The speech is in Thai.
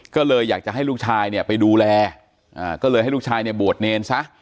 ก็เลยอยากจะให้ลูกชายเนี่ยไปดูแลก็เลยให้ลูกชายเนี่ยบวชเนรซะ